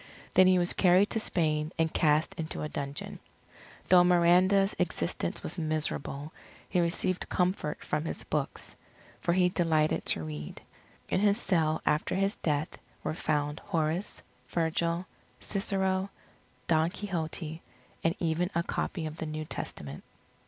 Then he was carried to Spain and cast into a dungeon. Though Miranda's existence was miserable, he received comfort from his books, for he delighted to read. In his cell after his death, were found Horace, Virgil, Cicero, Don Quixote, and even a copy of the New Testament.